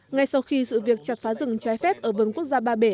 ngay sau khi sự việc chặt phá rừng trái phép ở vườn quốc gia ba bể